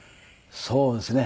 そうですね。